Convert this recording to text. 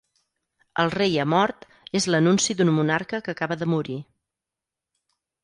"El rei ha mort" és l'anunci d'un monarca que acaba de morir.